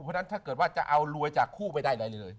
เพราะฉะนั้นถ้าเกิดว่าจะเอารวยจากคู่ไปได้ใดเลย